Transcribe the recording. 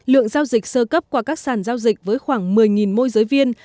lượng giao dịch sơ cấp qua các sàn giao dịch với khoảng một mươi môi giới viên